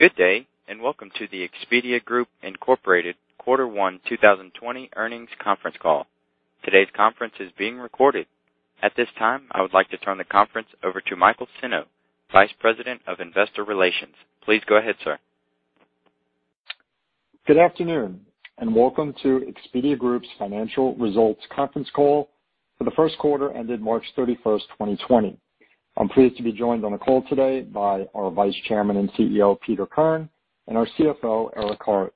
Good day. Welcome to the Expedia Group, Inc. Quarter 1 2020 earnings conference call. Today's conference is being recorded. At this time, I would like to turn the conference over to Michael Senno, Vice President of Investor Relations. Please go ahead, sir. Good afternoon, and welcome to Expedia Group's financial results conference call for the first quarter ended March 31st, 2020. I am pleased to be joined on the call today by our Vice Chairman and CEO, Peter Kern, and our CFO, Eric Hart.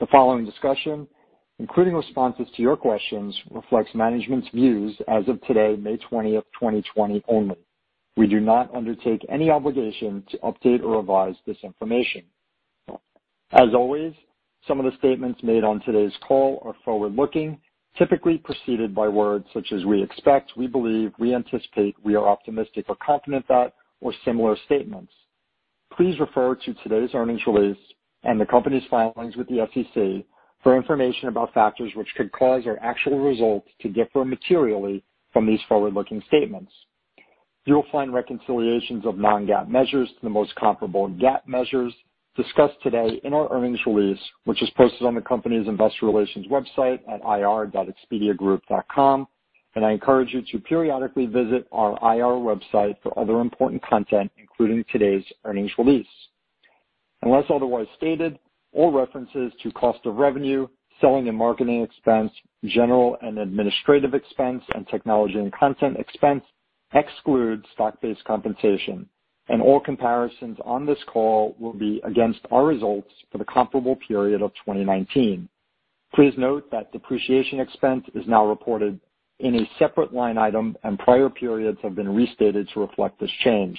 The following discussion, including responses to your questions, reflects management's views as of today, May 20th, 2020 only. We do not undertake any obligation to update or revise this information. As always, some of the statements made on today's call are forward-looking, typically preceded by words such as "we expect," "we believe," "we anticipate," "we are optimistic" or "confident" that, or similar statements. Please refer to today's earnings release and the company's filings with the SEC for information about factors which could cause our actual results to differ materially from these forward-looking statements. You will find reconciliations of non-GAAP measures to the most comparable GAAP measures discussed today in our earnings release, which is posted on the company's investor relations website at ir.expediagroup.com. I encourage you to periodically visit our IR website for other important content, including today's earnings release. Unless otherwise stated, all references to cost of revenue, selling and marketing expense, general and administrative expense, and technology and content expense exclude stock-based compensation. All comparisons on this call will be against our results for the comparable period of 2019. Please note that depreciation expense is now reported in a separate line item. Prior periods have been restated to reflect this change.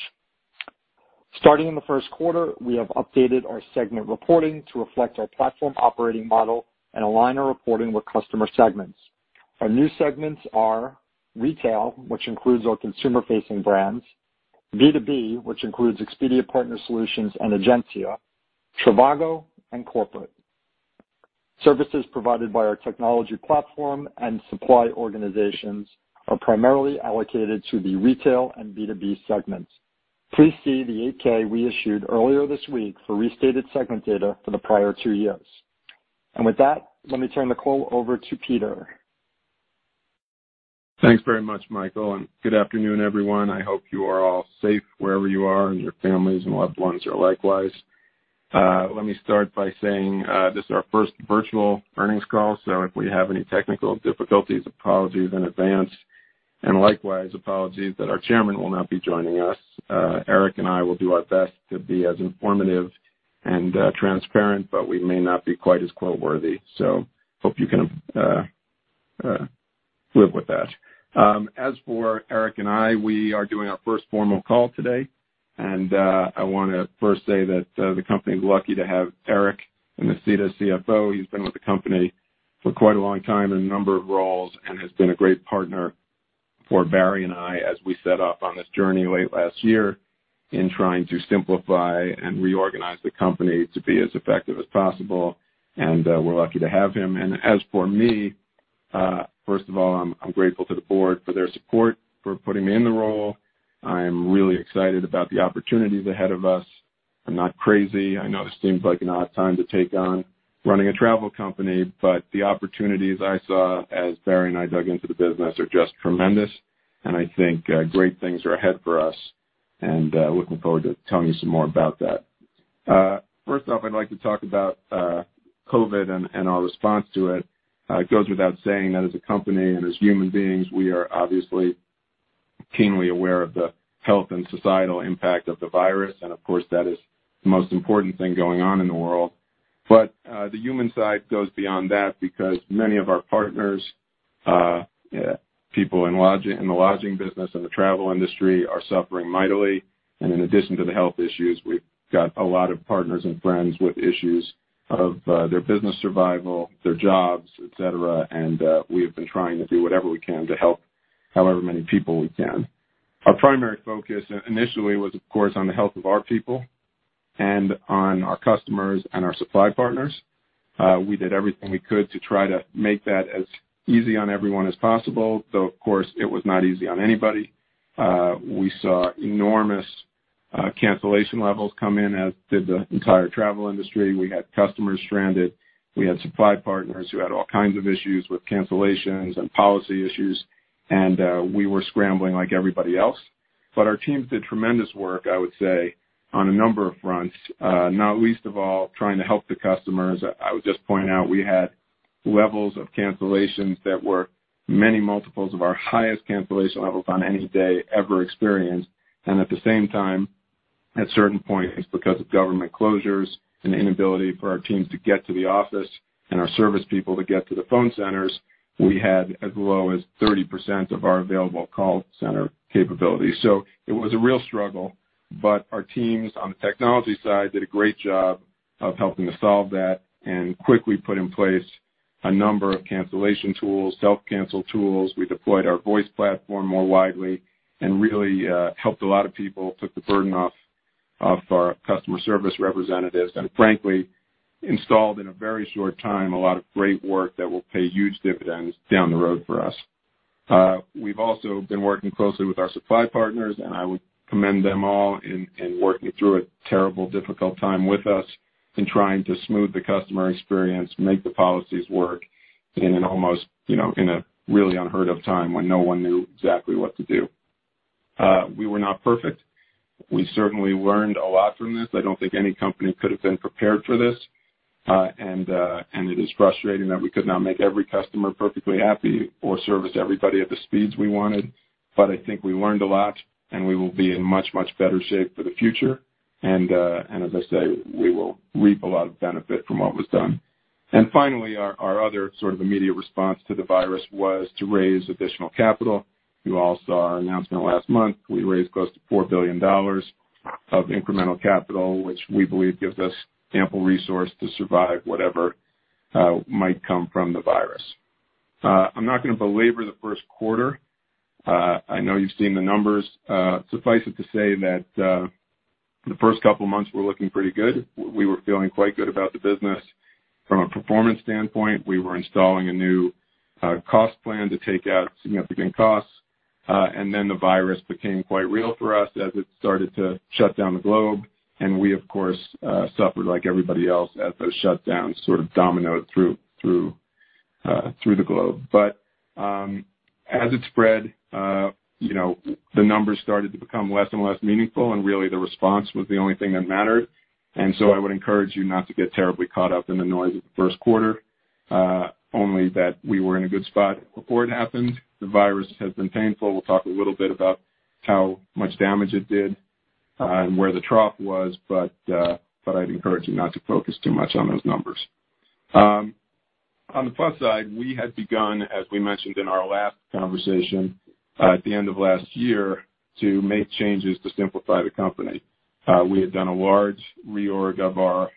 Starting in the first quarter, we have updated our segment reporting to reflect our platform operating model and align our reporting with customer segments. Our new segments are Retail, which includes our consumer-facing brands, B2B, which includes Expedia Partner Solutions and Egencia, trivago, and Corporate. Services provided by our technology platform and supply organizations are primarily allocated to the Retail and B2B segments. Please see the 8-K we issued earlier this week for restated segment data for the prior two years. With that, let me turn the call over to Peter. Thanks very much, Michael. Good afternoon, everyone. I hope you are all safe wherever you are, and your families and loved ones are likewise. Let me start by saying this is our first virtual earnings call. If we have any technical difficulties, apologies in advance. Likewise apologies that our chairman will not be joining us. Eric and I will do our best to be as informative and transparent. We may not be quite as quote-worthy. Hope you can live with that. As for Eric and I, we are doing our first formal call today. I want to first say that the company is lucky to have Eric in the seat of CFO. He's been with the company for quite a long time in a number of roles and has been a great partner for Barry and I as we set off on this journey late last year in trying to simplify and reorganize the company to be as effective as possible. We're lucky to have him. As for me, first of all, I'm grateful to the board for their support, for putting me in the role. I am really excited about the opportunities ahead of us. I'm not crazy. I know this seems like an odd time to take on running a travel company, the opportunities I saw as Barry and I dug into the business are just tremendous, I think great things are ahead for us, looking forward to telling you some more about that. First off, I'd like to talk about COVID and our response to it. It goes without saying that as a company and as human beings, we are obviously keenly aware of the health and societal impact of the virus, and of course, that is the most important thing going on in the world. The human side goes beyond that because many of our partners, people in the lodging business and the travel industry are suffering mightily. In addition to the health issues, we've got a lot of partners and friends with issues of their business survival, their jobs, et cetera, and we have been trying to do whatever we can to help however many people we can. Our primary focus initially was, of course, on the health of our people and on our customers and our supply partners. We did everything we could to try to make that as easy on everyone as possible, though, of course, it was not easy on anybody. We saw enormous cancellation levels come in, as did the entire travel industry. We had customers stranded. We had supply partners who had all kinds of issues with cancellations and policy issues, and we were scrambling like everybody else. Our teams did tremendous work, I would say, on a number of fronts, not least of all, trying to help the customers. I would just point out we had levels of cancellations that were many multiples of our highest cancellation levels on any day ever experienced. At the same time, at certain points, because of government closures and inability for our teams to get to the office and our service people to get to the phone centers, we had as low as 30% of our available call center capability. It was a real struggle, but our teams on the technology side did a great job of helping to solve that and quickly put in place a number of cancellation tools, self-cancel tools. We deployed our voice platform more widely and really helped a lot of people, took the burden off our customer service representatives, and frankly, installed in a very short time a lot of great work that will pay huge dividends down the road for us. We've also been working closely with our supply partners, and I would commend them all in working through a terrible, difficult time with us in trying to smooth the customer experience, make the policies work in an almost really unheard of time when no one knew exactly what to do. We were not perfect. We certainly learned a lot from this. I don't think any company could have been prepared for this. It is frustrating that we could not make every customer perfectly happy or service everybody at the speeds we wanted. I think we learned a lot, and we will be in much, much better shape for the future. As I say, we will reap a lot of benefit from what was done. Finally, our other sort of immediate response to the virus was to raise additional capital. You all saw our announcement last month. We raised close to $4 billion of incremental capital, which we believe gives us ample resource to survive whatever might come from the virus. I'm not going to belabor the first quarter. I know you've seen the numbers. Suffice it to say that the first couple of months were looking pretty good. We were feeling quite good about the business from a performance standpoint. We were installing a new cost plan to take out significant costs. Then the virus became quite real for us as it started to shut down the globe. We, of course, suffered like everybody else as those shutdowns sort of dominoed through the globe. As it spread, the numbers started to become less and less meaningful, and really the response was the only thing that mattered. I would encourage you not to get terribly caught up in the noise of the first quarter. Only that we were in a good spot before it happened. The virus has been painful. We'll talk a little bit about how much damage it did, and where the trough was, but I'd encourage you not to focus too much on those numbers. On the plus side, we had begun, as we mentioned in our last conversation, at the end of last year, to make changes to simplify the company. We had done a large reorg of our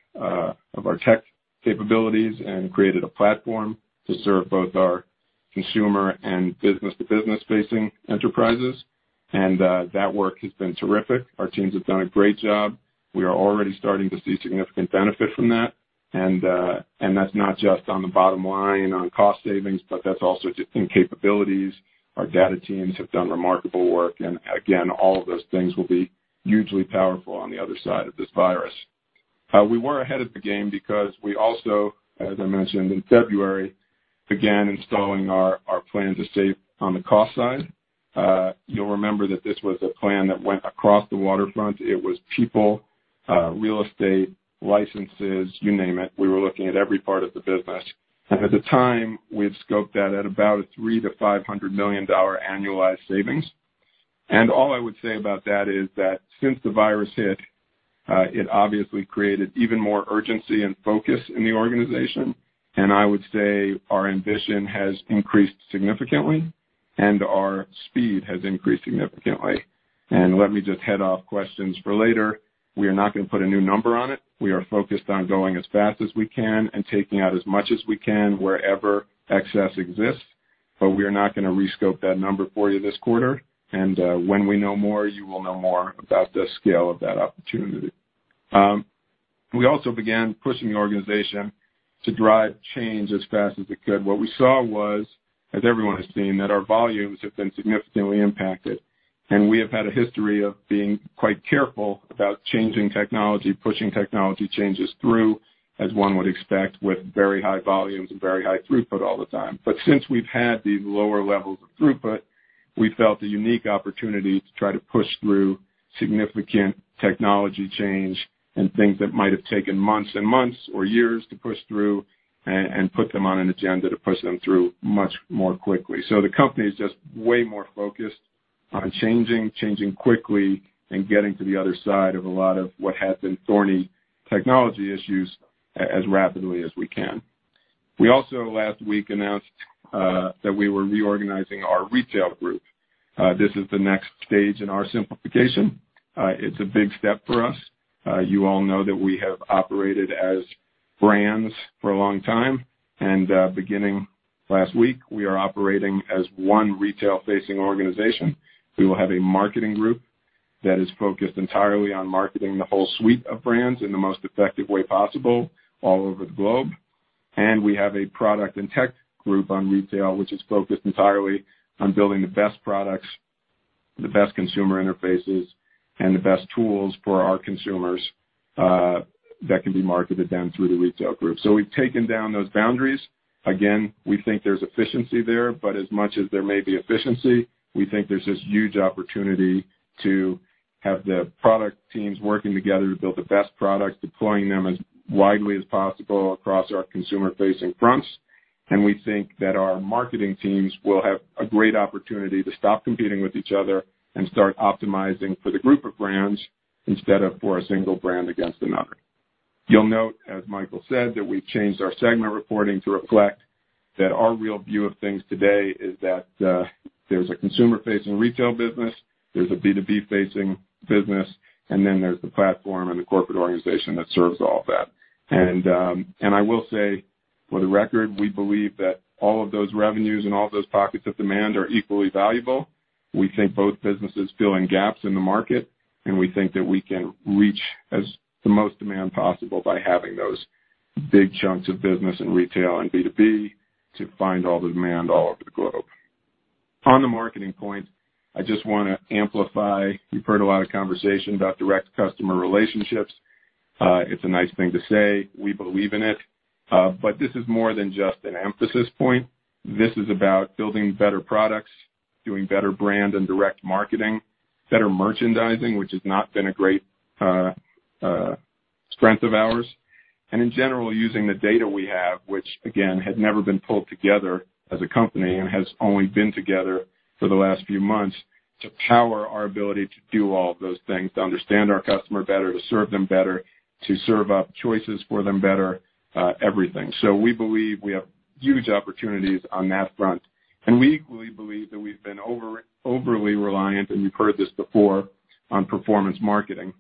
tech capabilities and created a platform to serve both our consumer and business-to-business-facing enterprises. That work has been terrific. Our teams have done a great job. We are already starting to see significant benefit from that. That's not just on the bottom line on cost savings, but that's also just in capabilities. Our data teams have done remarkable work, and again, all of those things will be hugely powerful on the other side of this virus. We were ahead of the game because we also, as I mentioned, in February, began installing our plan to save on the cost side. You'll remember that this was a plan that went across the waterfront. It was people, real estate, licenses, you name it. We were looking at every part of the business. At the time, we had scoped that at about a $300 million-$500 million annualized savings. All I would say about that is that since the virus hit, it obviously created even more urgency and focus in the organization. I would say our ambition has increased significantly. Our speed has increased significantly. Let me just head off questions for later. We are not going to put a new number on it. We are focused on going as fast as we can and taking out as much as we can wherever excess exists. We are not going to rescope that number for you this quarter. When we know more, you will know more about the scale of that opportunity. We also began pushing the organization to drive change as fast as it could. What we saw was, as everyone has seen, that our volumes have been significantly impacted. We have had a history of being quite careful about changing technology, pushing technology changes through, as one would expect, with very high volumes and very high throughput all the time. Since we've had these lower levels of throughput, we felt a unique opportunity to try to push through significant technology change and things that might have taken months and months or years to push through and put them on an agenda to push them through much more quickly. The company is just way more focused on changing quickly, and getting to the other side of a lot of what has been thorny technology issues as rapidly as we can. We also last week announced that we were reorganizing our retail group. This is the next stage in our simplification. It's a big step for us. You all know that we have operated as brands for a long time. Beginning last week, we are operating as one retail-facing organization. We will have a marketing group that is focused entirely on marketing the whole suite of brands in the most effective way possible all over the globe. We have a product and tech group on retail, which is focused entirely on building the best products, the best consumer interfaces, and the best tools for our consumers that can be marketed down through the retail group. We've taken down those boundaries. Again, we think there's efficiency there, but as much as there may be efficiency, we think there's this huge opportunity to have the product teams working together to build the best products, deploying them as widely as possible across our consumer-facing fronts. We think that our marketing teams will have a great opportunity to stop competing with each other and start optimizing for the group of brands instead of for a single brand against another. You'll note, as Michael said, that we've changed our segment reporting to reflect that our real view of things today is that there's a consumer-facing retail business, there's a B2B-facing business, and then there's the platform and the corporate organization that serves all of that. I will say for the record, we believe that all of those revenues and all of those pockets of demand are equally valuable. We think both businesses fill in gaps in the market, and we think that we can reach the most demand possible by having those big chunks of business in retail and B2B to find all the demand all over the globe. On the marketing point, I just want to amplify, you've heard a lot of conversation about direct customer relationships. It's a nice thing to say. We believe in it, but this is more than just an emphasis point. This is about building better products, doing better brand and direct marketing, better merchandising, which has not been a great strength of ours, and in general, using the data we have, which again, had never been pulled together as a company and has only been together for the last few months to power our ability to do all of those things. To understand our customer better, to serve them better, to serve up choices for them better, everything. We believe we have huge opportunities on that front, and we equally believe that we've been overly reliant, and you've heard this before, on performance marketing.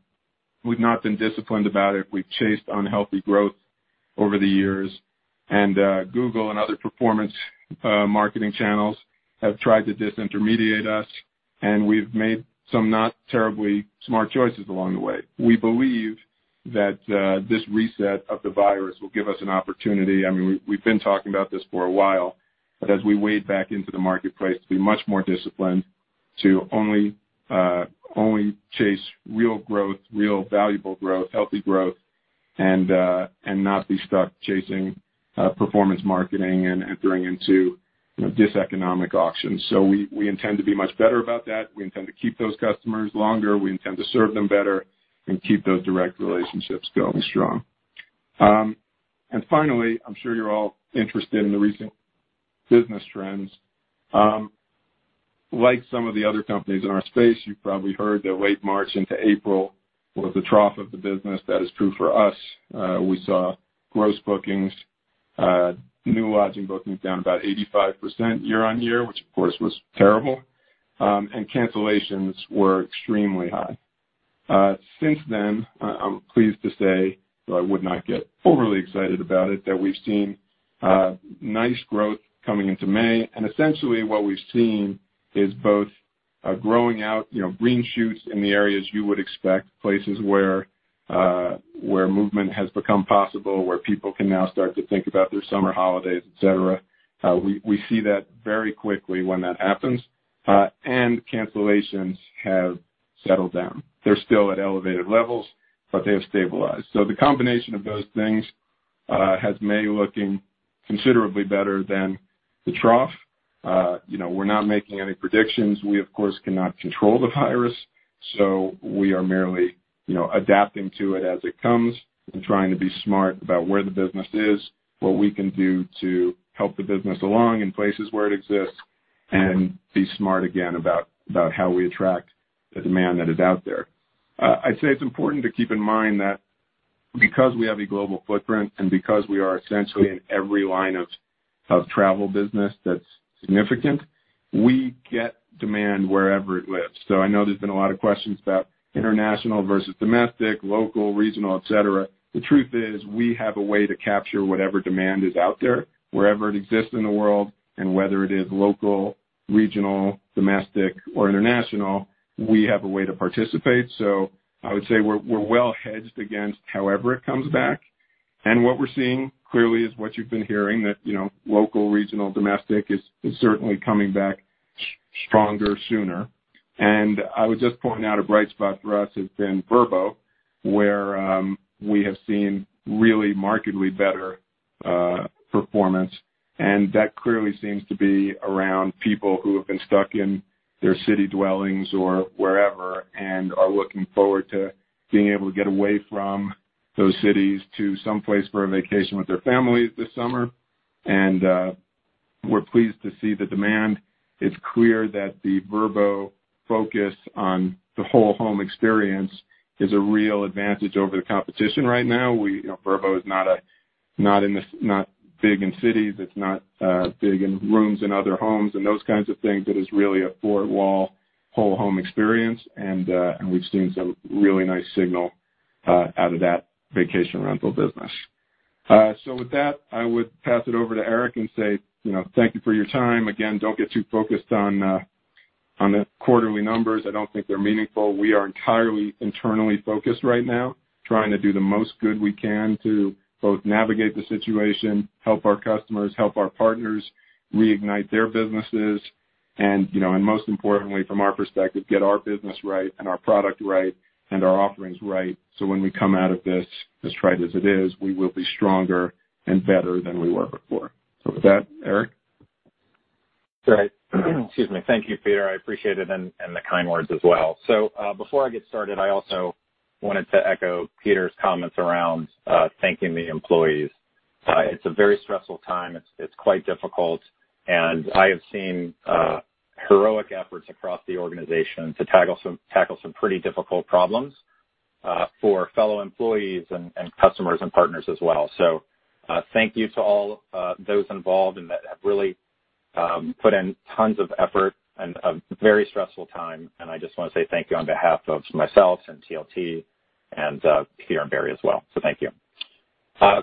We've not been disciplined about it. We've chased unhealthy growth over the years, and Google and other performance marketing channels have tried to disintermediate us, and we've made some not terribly smart choices along the way. We believe that this reset of the virus will give us an opportunity. We've been talking about this for a while, but as we wade back into the marketplace to be much more disciplined, to only chase real growth, real valuable growth, healthy growth, and not be stuck chasing performance marketing and entering into diseconomic auctions. We intend to be much better about that. We intend to keep those customers longer, we intend to serve them better, and keep those direct relationships going strong. Finally, I'm sure you're all interested in the recent business trends. Like some of the other companies in our space, you've probably heard that late March into April was the trough of the business. That is true for us. We saw gross bookings, new lodging bookings down about 85% year-on-year, which of course was terrible. Cancellations were extremely high. Since then, I'm pleased to say, though I would not get overly excited about it, that we've seen nice growth coming into May, and essentially what we've seen is both growing out green shoots in the areas you would expect, places where movement has become possible, where people can now start to think about their summer holidays, et cetera. We see that very quickly when that happens. Cancellations have settled down. They're still at elevated levels, but they have stabilized. The combination of those things has May looking considerably better than the trough. We're not making any predictions. We of course, cannot control the virus, so we are merely adapting to it as it comes and trying to be smart about where the business is, what we can do to help the business along in places where it exists, and be smart again about how we attract the demand that is out there. I'd say it's important to keep in mind that because we have a global footprint and because we are essentially in every line of travel business that's significant, we get demand wherever it lives. I know there's been a lot of questions about international versus domestic, local, regional, et cetera. The truth is, we have a way to capture whatever demand is out there, wherever it exists in the world, and whether it is local, regional, domestic, or international, we have a way to participate. I would say we're well hedged against however it comes back. What we're seeing, clearly is what you've been hearing, that local, regional, domestic is certainly coming back stronger sooner. I would just point out a bright spot for us has been Vrbo, where we have seen really markedly better performance, and that clearly seems to be around people who have been stuck in their city dwellings or wherever and are looking forward to being able to get away from those cities to someplace for a vacation with their families this summer. We're pleased to see the demand. It's clear that the Vrbo focus on the whole home experience is a real advantage over the competition right now. Vrbo is not big in cities, it's not big in rooms in other homes and those kinds of things. It is really a four-wall whole home experience, and we've seen some really nice signal out of that vacation rental business. With that, I would pass it over to Eric and say thank you for your time. Again, don't get too focused on the quarterly numbers. I don't think they're meaningful. We are entirely internally focused right now, trying to do the most good we can to both navigate the situation, help our customers, help our partners reignite their businesses, and most importantly from our perspective, get our business right and our product right and our offerings right so when we come out of this, as trite as it is, we will be stronger and better than we were before. With that, Eric? Great. Excuse me. Thank you, Peter. I appreciate it, and the kind words as well. Before I get started, I also wanted to echo Peter's comments around thanking the employees. It's a very stressful time. It's quite difficult, and I have seen heroic efforts across the organization to tackle some pretty difficult problems for fellow employees and customers and partners as well. Thank you to all those involved and that have really put in tons of effort in a very stressful time, and I just want to say thank you on behalf of myself and TLT and Peter and Barry as well. Thank you.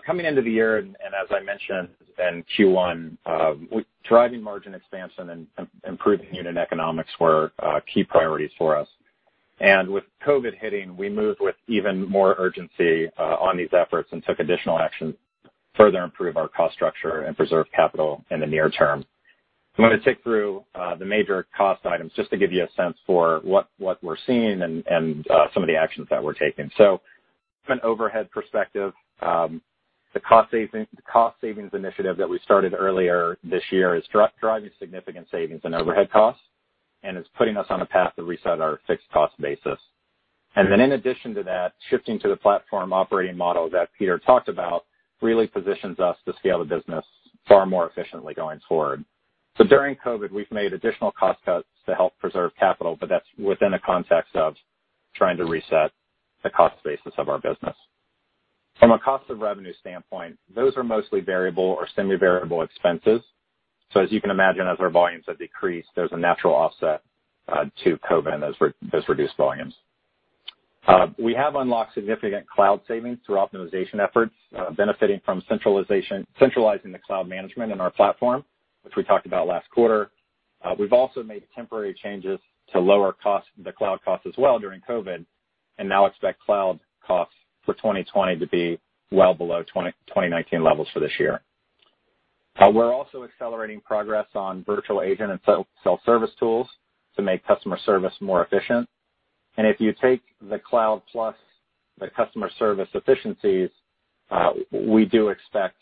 Coming into the year, and as I mentioned in Q1, driving margin expansion and improving unit economics were key priorities for us. With COVID hitting, we moved with even more urgency on these efforts and took additional action to further improve our cost structure and preserve capital in the near term. I'm going to tick through the major cost items just to give you a sense for what we're seeing and some of the actions that we're taking. From an overhead perspective, the cost savings initiative that we started earlier this year is driving significant savings in overhead costs and is putting us on a path to reset our fixed cost basis. In addition to that, shifting to the platform operating model that Peter talked about really positions us to scale the business far more efficiently going forward. During COVID, we've made additional cost cuts to help preserve capital, but that's within a context of trying to reset the cost basis of our business. From a cost of revenue standpoint, those are mostly variable or semi-variable expenses. As you can imagine, as our volumes have decreased, there's a natural offset to COVID and those reduced volumes. We have unlocked significant cloud savings through optimization efforts, benefiting from centralizing the cloud management in our platform, which we talked about last quarter. We've also made temporary changes to lower the cloud cost as well during COVID, and now expect cloud costs for 2020 to be well below 2019 levels for this year. We're also accelerating progress on virtual agent and self-service tools to make customer service more efficient. If you take the cloud plus the customer service efficiencies, we do expect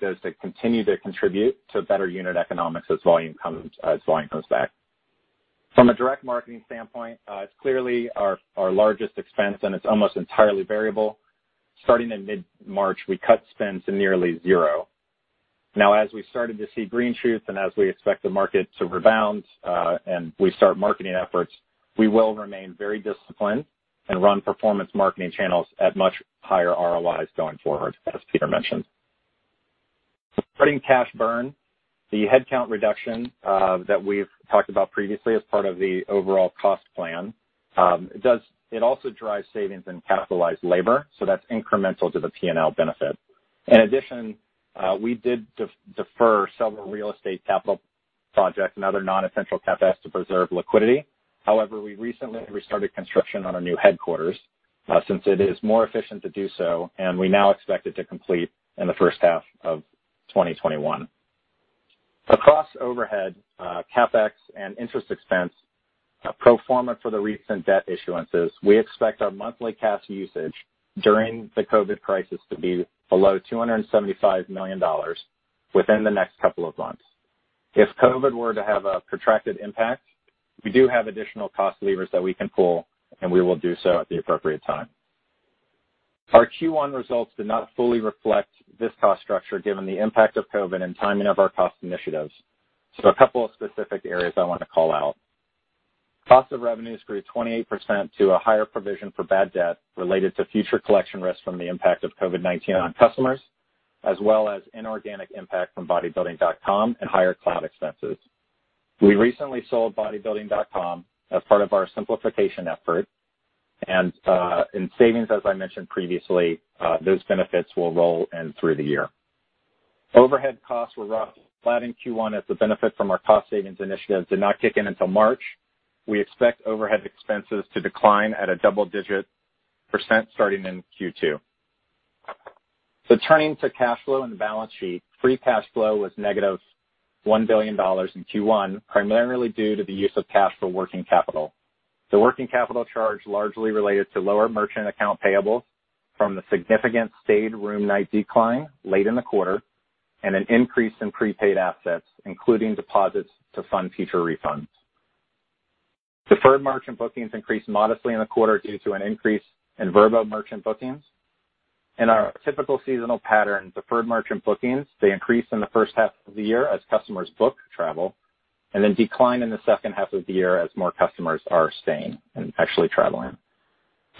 those to continue to contribute to better unit economics as volume comes back. From a direct marketing standpoint, it's clearly our largest expense, and it's almost entirely variable. Starting in mid-March, we cut spend to nearly zero. Now, as we started to see green shoots and as we expect the market to rebound and we start marketing efforts, we will remain very disciplined and run performance marketing channels at much higher ROIs going forward, as Peter mentioned. Cutting cash burn, the headcount reduction that we've talked about previously as part of the overall cost plan, it also drives savings in capitalized labor, so that's incremental to the P&L benefit. In addition, we did defer several real estate capital projects and other non-essential CapEx to preserve liquidity. We recently restarted construction on our new headquarters, since it is more efficient to do so, and we now expect it to complete in the first half of 2021. Across overhead, CapEx, and interest expense, pro forma for the recent debt issuances, we expect our monthly cash usage during the COVID crisis to be below $275 million within the next couple of months. If COVID were to have a protracted impact, we do have additional cost levers that we can pull, and we will do so at the appropriate time. Our Q1 results did not fully reflect this cost structure given the impact of COVID and timing of our cost initiatives. A couple of specific areas I want to call out. Cost of revenues grew 28% to a higher provision for bad debt related to future collection risks from the impact of COVID-19 on customers, as well as inorganic impact from Bodybuilding.com and higher cloud expenses. We recently sold Bodybuilding.com as part of our simplification effort, and in savings, as I mentioned previously, those benefits will roll in through the year. Overhead costs were roughly flat in Q1 as the benefit from our cost savings initiatives did not kick in until March. We expect overhead expenses to decline at a double-digit % starting in Q2. Turning to cash flow and the balance sheet, free cash flow was negative $1 billion in Q1, primarily due to the use of cash for working capital. The working capital charge largely related to lower merchant account payables from the significant stayed room night decline late in the quarter, and an increase in prepaid assets, including deposits to fund future refunds. Deferred merchant bookings increased modestly in the quarter due to an increase in Vrbo merchant bookings. In our typical seasonal pattern, deferred merchant bookings, they increase in the first half of the year as customers book travel, and then decline in the second half of the year as more customers are staying than actually traveling.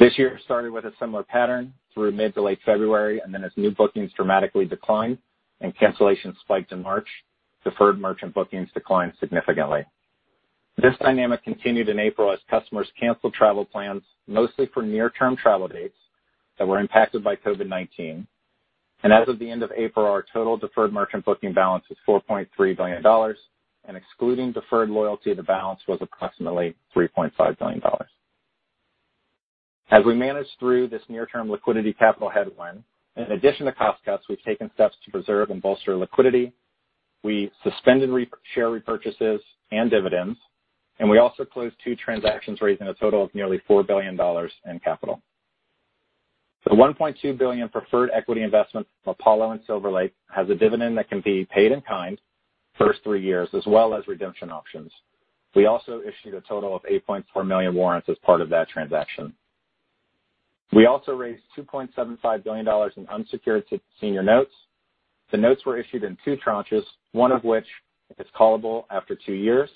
This year started with a similar pattern through mid to late February, and then as new bookings dramatically declined and cancellations spiked in March, deferred merchant bookings declined significantly. This dynamic continued in April as customers canceled travel plans, mostly for near-term travel dates that were impacted by COVID-19. As of the end of April, our total deferred merchant booking balance was $4.3 billion, and excluding deferred loyalty, the balance was approximately $3.5 billion. As we manage through this near-term liquidity capital headwind, in addition to cost cuts, we've taken steps to preserve and bolster liquidity. We suspended share repurchases and dividends, and we also closed two transactions raising a total of nearly $4 billion in capital. The $1.2 billion preferred equity investment from Apollo and Silver Lake has a dividend that can be paid in kind the first three years, as well as redemption options. We also issued a total of 8.4 million warrants as part of that transaction. We also raised $2.75 billion in unsecured senior notes. The notes were issued in two tranches, one of which is callable after two years.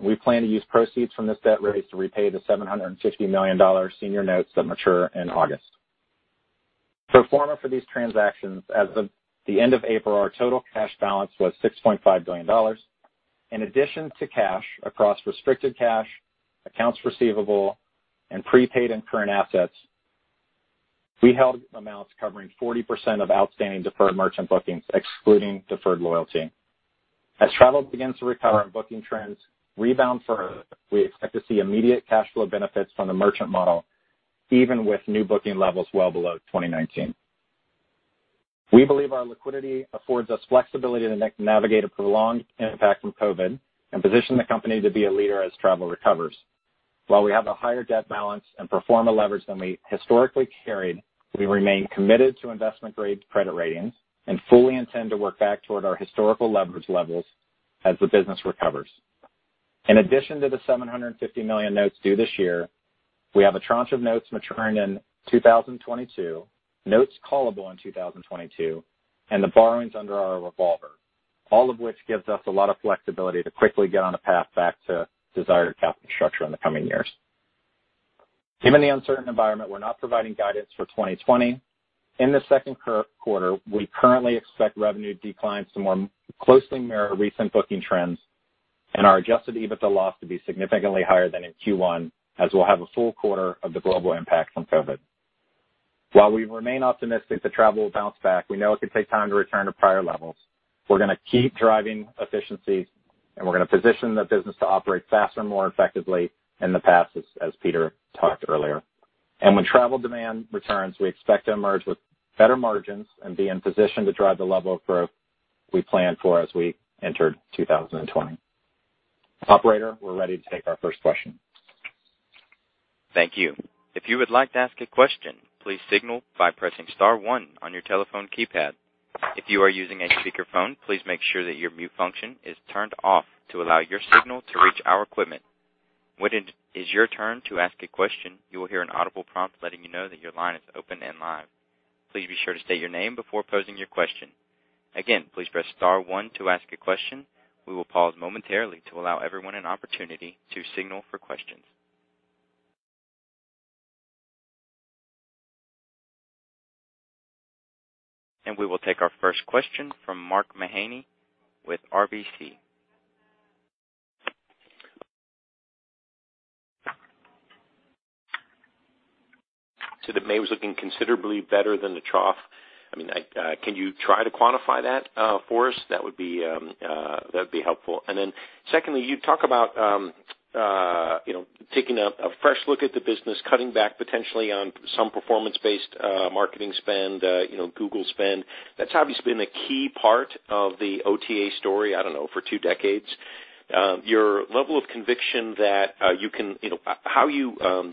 We plan to use proceeds from this debt raise to repay the $750 million senior notes that mature in August. Pro forma for these transactions, as of the end of April, our total cash balance was $6.5 billion. In addition to cash across restricted cash, accounts receivable, and prepaid and current assets, we held amounts covering 40% of outstanding deferred merchant bookings, excluding deferred loyalty. As travel begins to recover and booking trends rebound further, we expect to see immediate cash flow benefits from the merchant model, even with new booking levels well below 2019. We believe our liquidity affords us flexibility to navigate a prolonged impact from COVID and position the company to be a leader as travel recovers. While we have a higher debt balance and pro forma leverage than we historically carried, we remain committed to investment-grade credit ratings and fully intend to work back toward our historical leverage levels as the business recovers. In addition to the $750 million notes due this year, we have a tranche of notes maturing in 2022, notes callable in 2022, and the borrowings under our revolver, all of which gives us a lot of flexibility to quickly get on a path back to desired capital structure in the coming years. Given the uncertain environment, we're not providing guidance for 2020. In the second quarter, we currently expect revenue declines to more closely mirror recent booking trends and our adjusted EBITDA loss to be significantly higher than in Q1, as we'll have a full quarter of the global impact from COVID. While we remain optimistic that travel will bounce back, we know it could take time to return to prior levels. We're going to keep driving efficiencies, and we're going to position the business to operate faster and more effectively than the past, as Peter talked earlier. When travel demand returns, we expect to emerge with better margins and be in position to drive the level of growth we planned for as we entered 2020. Operator, we're ready to take our first question. Thank you. If you would like to ask a question, please signal by pressing *1 on your telephone keypad. If you are using a speakerphone, please make sure that your mute function is turned off to allow your signal to reach our equipment. When it is your turn to ask a question, you will hear an audible prompt letting you know that your line is open and live. Please be sure to state your name before posing your question. Again, please press *1 to ask a question. We will pause momentarily to allow everyone an opportunity to signal for questions. We will take our first question from Mark Mahaney with RBC. That May was looking considerably better than the trough. I mean, can you try to quantify that for us? That would be helpful. Secondly, you talk about taking a fresh look at the business, cutting back potentially on some performance-based marketing spend, Google spend. That's obviously been a key part of the OTA story, I don't know, for two decades. Your level of conviction that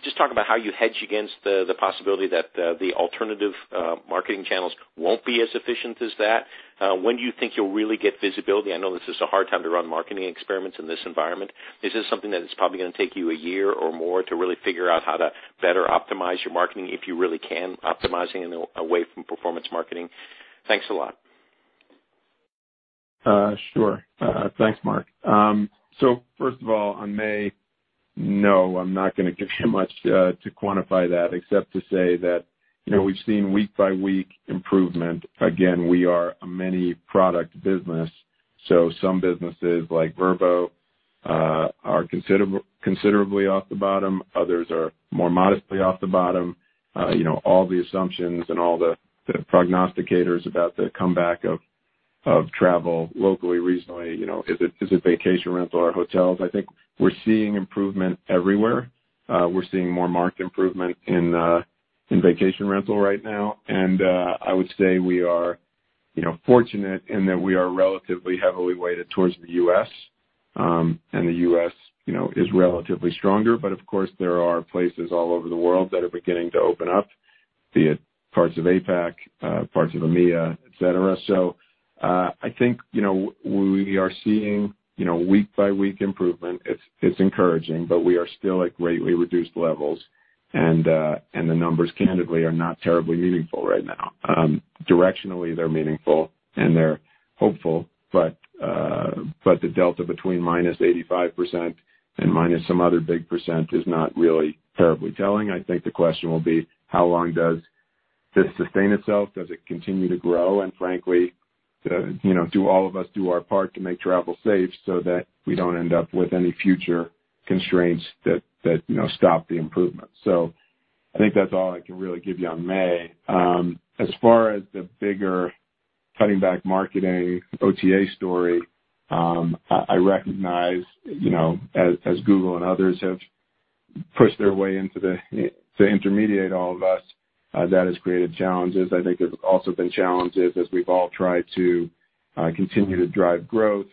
Just talk about how you hedge against the possibility that the alternative marketing channels won't be as efficient as that. When do you think you'll really get visibility? I know this is a hard time to run marketing experiments in this environment. Is this something that is probably going to take you a year or more to really figure out how to better optimize your marketing, if you really can, optimizing away from performance marketing? Thanks a lot. Thanks, Mark. First of all, I'm not going to give you much to quantify that except to say that we've seen week by week improvement. Again, we are a many product business. Some businesses, like Vrbo, are considerably off the bottom. Others are more modestly off the bottom. All the assumptions and all the prognosticators about the comeback of travel locally, regionally, is it vacation rental or hotels? I think we're seeing improvement everywhere. We're seeing more marked improvement in vacation rental right now. I would say we are fortunate in that we are relatively heavily weighted towards the U.S., and the U.S. is relatively stronger. Of course, there are places all over the world that are beginning to open up, be it parts of APAC, parts of EMEA, et cetera. I think we are seeing week by week improvement. It's encouraging, but we are still at greatly reduced levels, and the numbers, candidly, are not terribly meaningful right now. Directionally, they're meaningful, and they're hopeful, but the delta between minus 85% and minus some other big % is not really terribly telling. I think the question will be, how long does this sustain itself? Does it continue to grow? Frankly, do all of us do our part to make travel safe so that we don't end up with any future constraints that stop the improvement? I think that's all I can really give you on May. As far as the bigger cutting back marketing OTA story, I recognize, as Google and others have pushed their way in to intermediate all of us, that has created challenges. I think there's also been challenges as we've all tried to continue to drive growth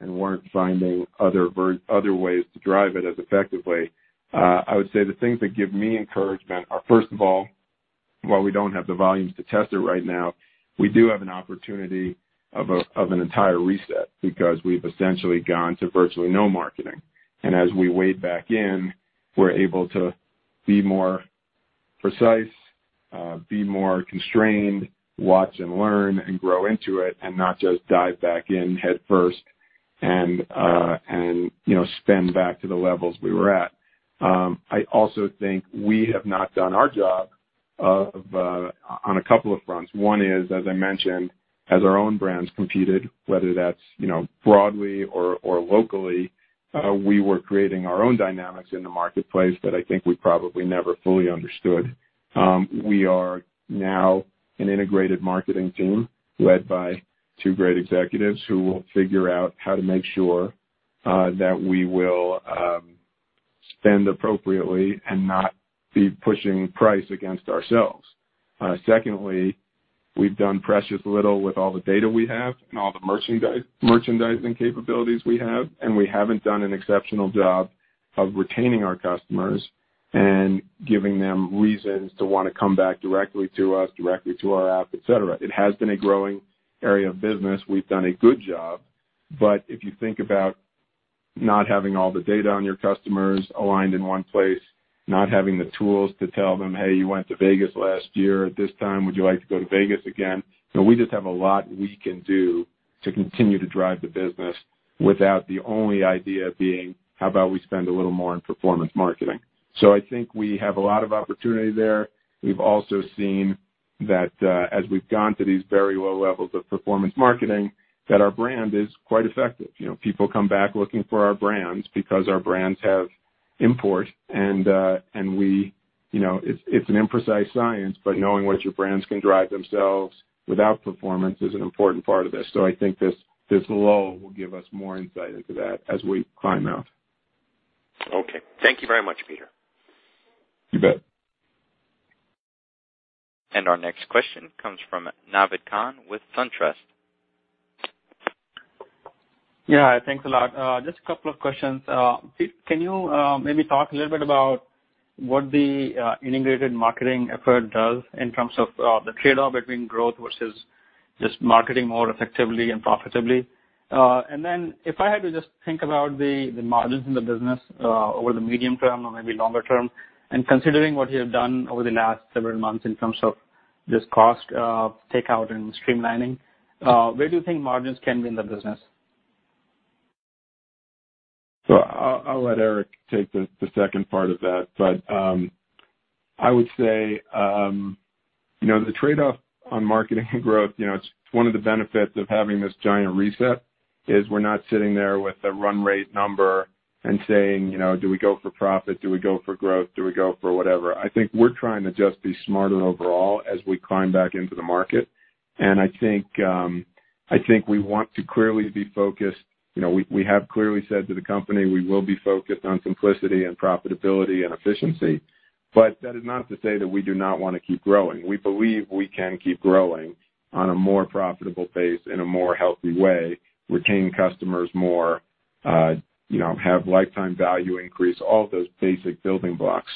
and weren't finding other ways to drive it as effectively. I would say the things that give me encouragement are, first of all, while we don't have the volumes to test it right now, we do have an opportunity of an entire reset because we've essentially gone to virtually no marketing. As we wade back in, we're able to be more precise, be more constrained, watch and learn and grow into it, and not just dive back in headfirst and spend back to the levels we were at. I also think we have not done our job on a couple of fronts. One is, as I mentioned, as our own brands competed, whether that's broadly or locally, we were creating our own dynamics in the marketplace that I think we probably never fully understood. We are now an integrated marketing team led by two great executives who will figure out how to make sure that we will spend appropriately and not be pushing price against ourselves. Secondly, we've done precious little with all the data we have and all the merchandising capabilities we have, and we haven't done an exceptional job of retaining our customers and giving them reasons to want to come back directly to us, directly to our app, et cetera. It has been a growing area of business. We've done a good job. If you think about not having all the data on your customers aligned in one place, not having the tools to tell them, "Hey, you went to Vegas last year at this time. Would you like to go to Vegas again?" We just have a lot we can do to continue to drive the business without the only idea being, how about we spend a little more on performance marketing? I think we have a lot of opportunity there. We've also seen that as we've gone through these very low levels of performance marketing, that our brand is quite effective. People come back looking for our brands because our brands have import, and it's an imprecise science, but knowing what your brands can drive themselves without performance is an important part of this. I think this lull will give us more insight into that as we climb out. Okay. Thank you very much, Peter. You bet. Our next question comes from Naved Khan with SunTrust. Yeah, thanks a lot. Just a couple of questions. Pete, can you maybe talk a little bit about what the integrated marketing effort does in terms of the trade-off between growth versus just marketing more effectively and profitably? If I had to just think about the margins in the business over the medium term or maybe longer term, and considering what you have done over the last several months in terms of just cost takeout and streamlining, where do you think margins can be in the business? I'll let Eric take the second part of that. I would say the trade-off on marketing growth, it's one of the benefits of having this giant reset, is we're not sitting there with a run rate number and saying, "Do we go for profit? Do we go for growth? Do we go for whatever?" I think we're trying to just be smarter overall as we climb back into the market, and I think we want to clearly be focused. We have clearly said to the company we will be focused on simplicity and profitability and efficiency. That is not to say that we do not want to keep growing. We believe we can keep growing on a more profitable pace in a more healthy way, retain customers more, have lifetime value increase, all of those basic building blocks.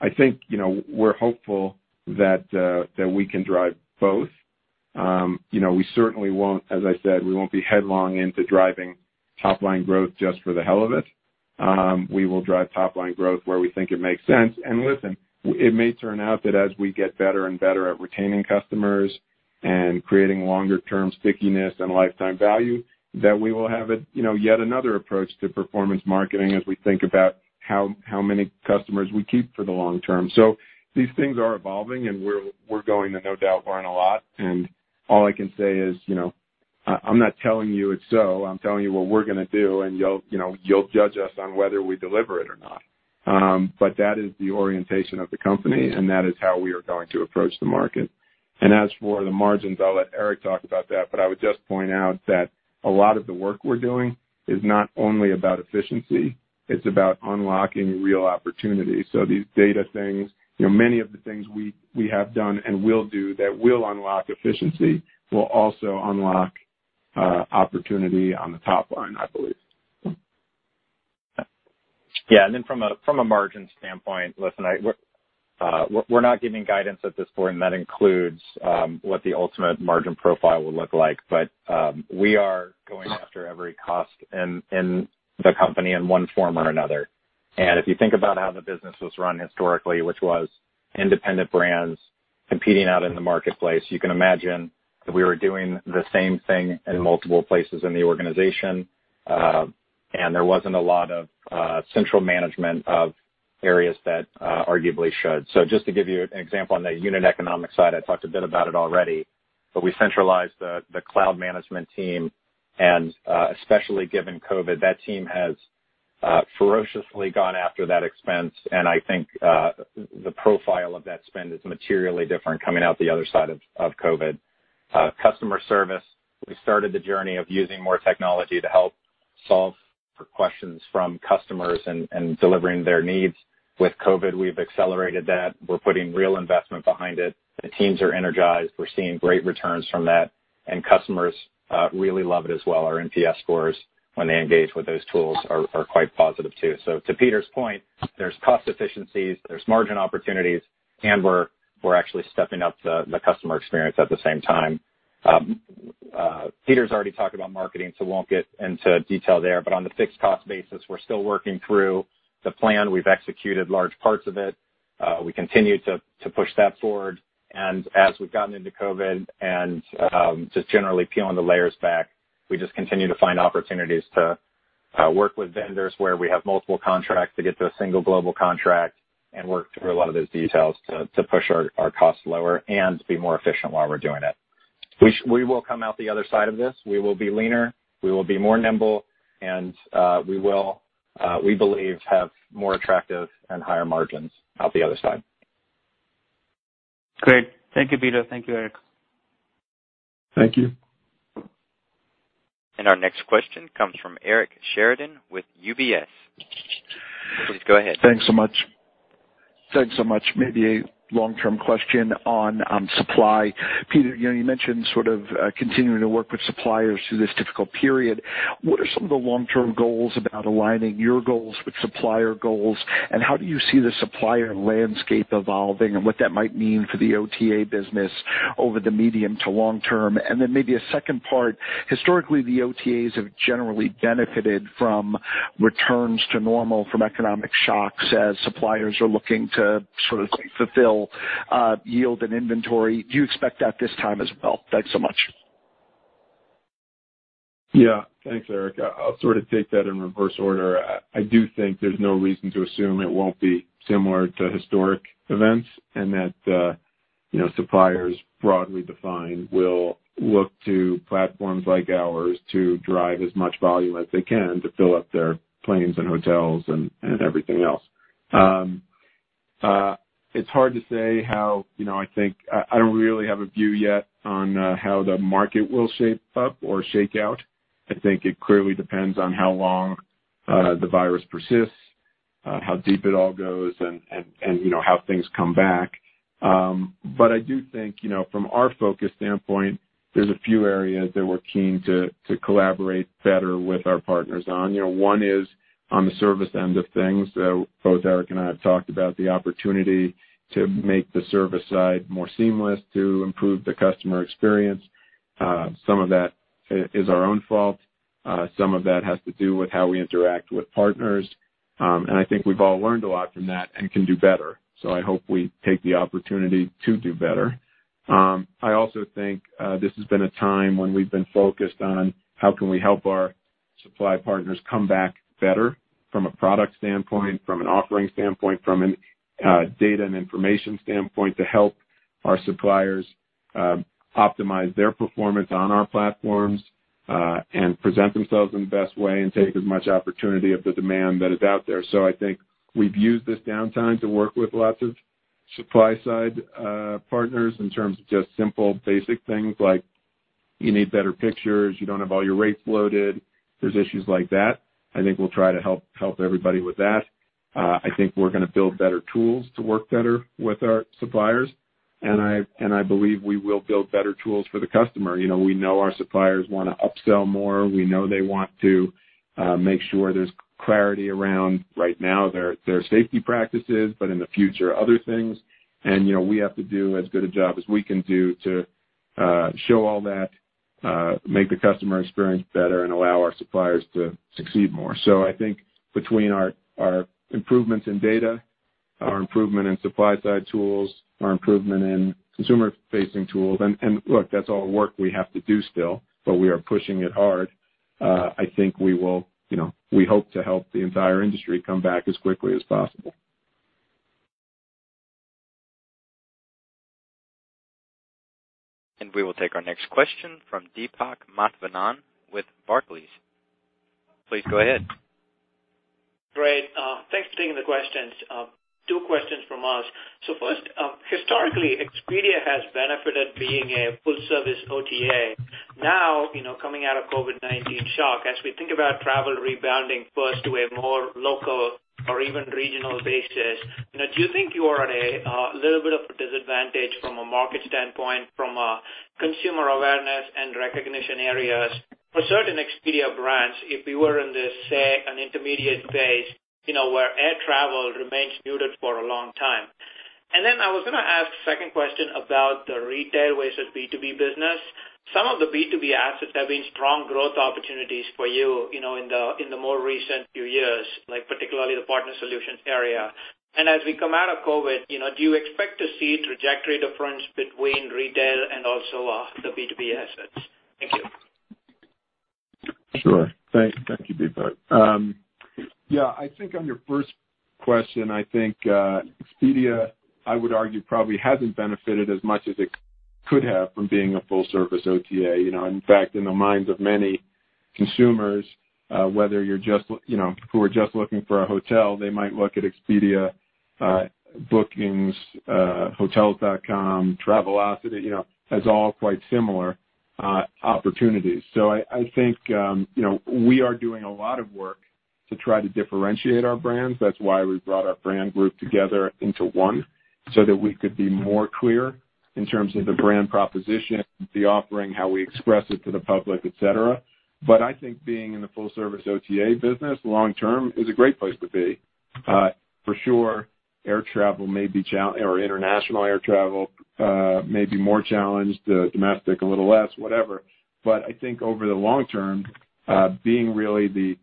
I think we're hopeful that we can drive both. As I said, we won't be headlong into driving top-line growth just for the hell of it. We will drive top-line growth where we think it makes sense. Listen, it may turn out that as we get better and better at retaining customers and creating longer-term stickiness and lifetime value, that we will have yet another approach to performance marketing as we think about how many customers we keep for the long term. These things are evolving, and we're going to no doubt learn a lot. All I can say is, I'm not telling you it's so. I'm telling you what we're going to do, and you'll judge us on whether we deliver it or not. That is the orientation of the company, and that is how we are going to approach the market. As for the margins, I'll let Eric talk about that. I would just point out that a lot of the work we're doing is not only about efficiency, it's about unlocking real opportunity. These data things, many of the things we have done and will do that will unlock efficiency will also unlock opportunity on the top line, I believe. Yeah. Then from a margin standpoint, listen, we're not giving guidance at this point, and that includes what the ultimate margin profile will look like. We are going after every cost in the company in one form or another. If you think about how the business was run historically, which was independent brands competing out in the marketplace, you can imagine that we were doing the same thing in multiple places in the organization, and there wasn't a lot of central management of areas that arguably should. Just to give you an example on the unit economic side, I talked a bit about it already, but we centralized the cloud management team, and especially given COVID, that team has ferociously gone after that expense, and I think the profile of that spend is materially different coming out the other side of COVID. Customer service, we started the journey of using more technology to help solve for questions from customers and delivering their needs. With COVID, we've accelerated that. We're putting real investment behind it. The teams are energized. We're seeing great returns from that, and customers really love it as well. Our NPS scores when they engage with those tools are quite positive too. To Peter's point, there's cost efficiencies, there's margin opportunities, and we're actually stepping up the customer experience at the same time. Peter's already talked about marketing. Won't get into detail there. On the fixed cost basis, we're still working through the plan. We've executed large parts of it. We continue to push that forward. As we've gotten into COVID and just generally peeling the layers back, we just continue to find opportunities to work with vendors where we have multiple contracts to get to a single global contract and work through a lot of those details to push our costs lower and be more efficient while we're doing it. We will come out the other side of this. We will be leaner, we will be more nimble, and we believe, have more attractive and higher margins out the other side. Great. Thank you, Peter. Thank you, Eric. Thank you. Our next question comes from Eric Sheridan with UBS. Please go ahead. Thanks so much. Maybe a long-term question on supply. Peter, you mentioned sort of continuing to work with suppliers through this difficult period. What are some of the long-term goals about aligning your goals with supplier goals, and how do you see the supplier landscape evolving and what that might mean for the OTA business over the medium to long term? Maybe a second part. Historically, the OTAs have generally benefited from returns to normal from economic shocks as suppliers are looking to sort of fulfill yield and inventory. Do you expect that this time as well? Thanks so much. Yeah. Thanks, Eric. I'll sort of take that in reverse order. I do think there's no reason to assume it won't be similar to historic events, and that suppliers, broadly defined, will look to platforms like ours to drive as much volume as they can to fill up their planes and hotels and everything else. It's hard to say. I don't really have a view yet on how the market will shape up or shake out. I think it clearly depends on how long the virus persists, how deep it all goes, and how things come back. I do think from our focus standpoint, there's a few areas that we're keen to collaborate better with our partners on. One is on the service end of things. Both Eric and I have talked about the opportunity to make the service side more seamless to improve the customer experience. Some of that is our own fault. Some of that has to do with how we interact with partners. I think we've all learned a lot from that and can do better. I hope we take the opportunity to do better. I also think this has been a time when we've been focused on how can we help our supply partners come back better from a product standpoint, from an offering standpoint, from a data and information standpoint, to help our suppliers optimize their performance on our platforms, and present themselves in the best way and take as much opportunity of the demand that is out there. I think we've used this downtime to work with lots of supply-side partners in terms of just simple, basic things like you need better pictures, you don't have all your rates loaded. There's issues like that. I think we'll try to help everybody with that. I think we're going to build better tools to work better with our suppliers, and I believe we will build better tools for the customer. We know our suppliers want to upsell more. We know they want to make sure there's clarity around, right now, their safety practices, but in the future, other things. We have to do as good a job as we can do to show all that, make the customer experience better, and allow our suppliers to succeed more. I think between our improvements in data, our improvement in supply-side tools, our improvement in consumer-facing tools, and look, that's all work we have to do still, but we are pushing it hard. I think we hope to help the entire industry come back as quickly as possible. We will take our next question from Deepak Mathivanan with Barclays. Please go ahead. Great. Thanks for taking the questions. Two questions from us. First, historically, Expedia has benefited being a full service OTA. Now, coming out of COVID-19 shock, as we think about travel rebounding first to a more local or even regional basis, do you think you are at a little bit of a disadvantage from a market standpoint from a consumer awareness and recognition areas for certain Expedia brands if we were in this, say, an intermediate phase, where air travel remains muted for a long time? Then I was going to ask second question about the retail versus B2B business. Some of the B2B assets have been strong growth opportunities for you in the more recent few years, like particularly the Expedia Partner Solutions. As we come out of COVID, do you expect to see trajectory difference between retail and also the B2B assets? Thank you. Sure. Thank you, Deepak Mathivanan. Yeah. I think on your first question, I think Expedia, I would argue, probably hasn't benefited as much as it could have from being a full service OTA. In fact, in the minds of many consumers, who are just looking for a hotel, they might look at Expedia, Booking, Hotels.com, Travelocity, as all quite similar opportunities. I think we are doing a lot of work to try to differentiate our brands. That's why we brought our brand group together into one so that we could be more clear in terms of the brand proposition, the offering, how we express it to the public, et cetera. I think being in the full service OTA business long term is a great place to be. For sure, international air travel may be more challenged, domestic a little less, whatever. I think over the long term, being really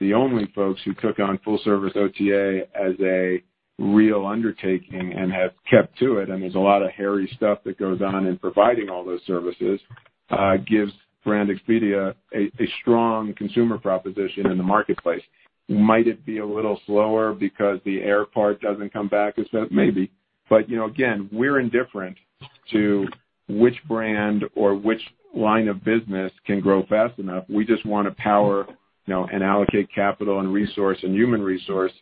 the only folks who took on full service OTA as a real undertaking and have kept to it, and there's a lot of hairy stuff that goes on in providing all those services, gives brand Expedia a strong consumer proposition in the marketplace. Might it be a little slower because the air part doesn't come back as fast? Maybe. Again, we're indifferent to which brand or which line of business can grow fast enough. We just want to power and allocate capital and resource and human resource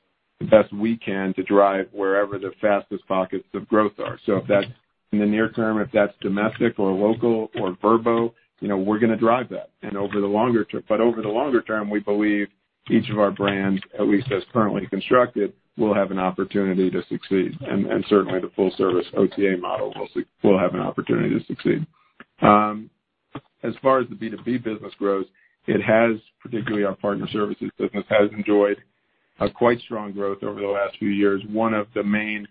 the best we can to drive wherever the fastest pockets of growth are. If that's in the near term, if that's domestic or local or Vrbo, we're going to drive that. Over the longer term, we believe each of our brands, at least as currently constructed, will have an opportunity to succeed, and certainly the full service OTA model will have an opportunity to succeed. As far as the B2B business grows, particularly our partner services business has enjoyed a quite strong growth over the last few years. One of the main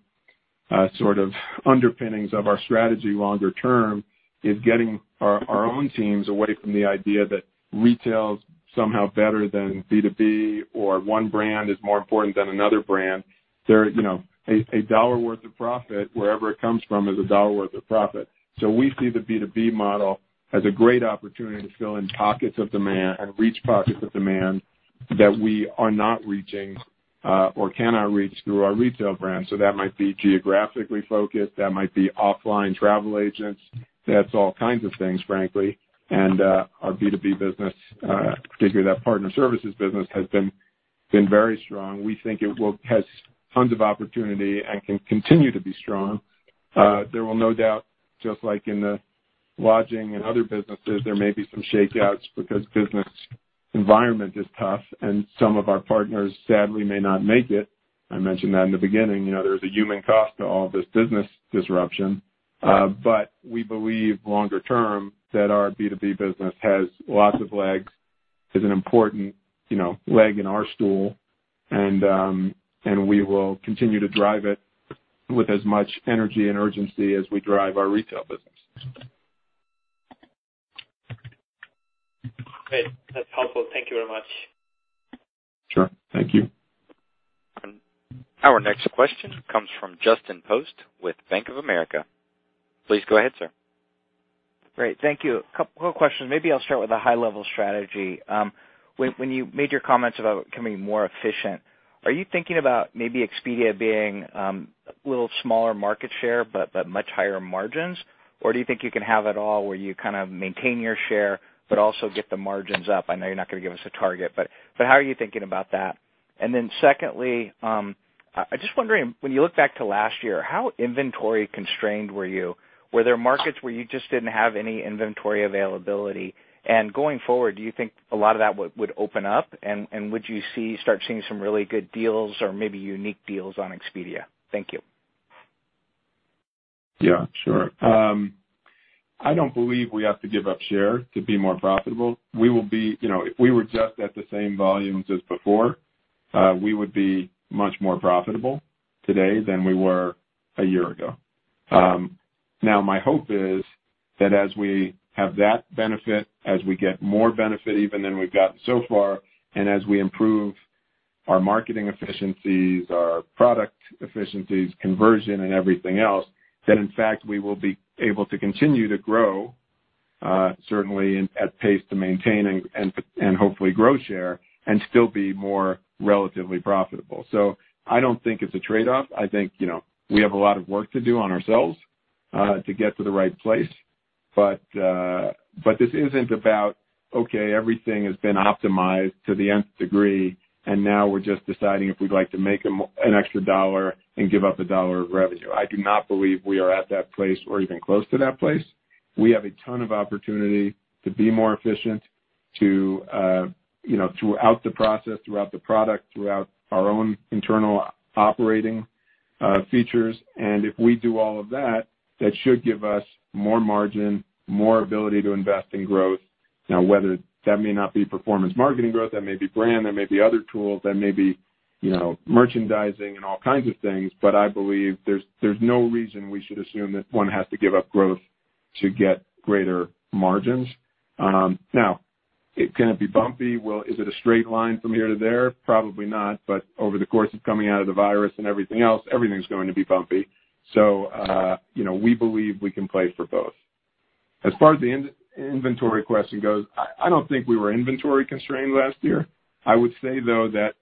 sort of underpinnings of our strategy longer term is getting our own teams away from the idea that retail is somehow better than B2B or one brand is more important than another brand. A $1 worth of profit, wherever it comes from, is $1 worth of profit. We see the B2B model as a great opportunity to fill in pockets of demand and reach pockets of demand that we are not reaching, or cannot reach through our retail brand. That might be geographically focused, that might be offline travel agents, that's all kinds of things, frankly. Our B2B business, particularly that partner services business, has been very strong. We think it has tons of opportunity and can continue to be strong. There will no doubt, just like in the lodging and other businesses, there may be some shakeouts because business environment is tough and some of our partners sadly may not make it. I mentioned that in the beginning. There is a human cost to all this business disruption. We believe longer term that our B2B business has lots of legs, is an important leg in our stool and we will continue to drive it with as much energy and urgency as we drive our retail business. Great. That's helpful. Thank you very much. Sure. Thank you. Our next question comes from Justin Post with Bank of America. Please go ahead, sir. Great. Thank you. Couple of questions. Maybe I'll start with a high level strategy. When you made your comments about becoming more efficient, are you thinking about maybe Expedia being a little smaller market share but much higher margins? Do you think you can have it all where you kind of maintain your share but also get the margins up? I know you're not going to give us a target, but how are you thinking about that? Secondly, I'm just wondering, when you look back to last year, how inventory constrained were you? Were there markets where you just didn't have any inventory availability? Going forward, do you think a lot of that would open up? Would you start seeing some really good deals or maybe unique deals on Expedia? Thank you. Yeah, sure. I don't believe we have to give up share to be more profitable. If we were just at the same volumes as before, we would be much more profitable today than we were a year ago. My hope is that as we have that benefit, as we get more benefit even than we've gotten so far, and as we improve our marketing efficiencies, our product efficiencies, conversion and everything else, that in fact we will be able to continue to grow, certainly at pace to maintain and hopefully grow share and still be more relatively profitable. I don't think it's a trade-off. I think we have a lot of work to do on ourselves, to get to the right place. This isn't about, okay, everything has been optimized to the nth degree, and now we're just deciding if we'd like to make an extra dollar and give up a dollar of revenue. I do not believe we are at that place or even close to that place. We have a ton of opportunity to be more efficient throughout the process, throughout the product, throughout our own internal operating features. If we do all of that should give us more margin, more ability to invest in growth. Whether that may not be performance marketing growth, that may be brand, that may be other tools, that may be merchandising and all kinds of things, but I believe there's no reason we should assume that one has to give up growth to get greater margins. It's going to be bumpy. Is it a straight line from here to there? Probably not. Over the course of coming out of the virus and everything else, everything's going to be bumpy. We believe we can play for both. As far as the inventory question goes, I don't think we were inventory constrained last year. I would say, though, that